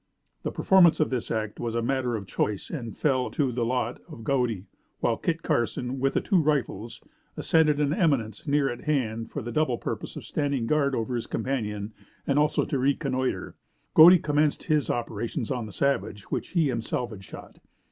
The performance of this act was a matter of choice and fell to the lot of Godey, while Kit Carson, with the two rifles, ascended an eminence near at hand for the double purpose of standing guard over his companion and also to reconnoitre. Godey commenced his operations on the savage which he himself had shot.